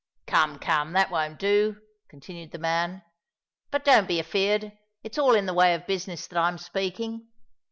"Come, come—that won't do," continued the man. "But don't be afeard—it's all in the way of business that I'm speaking.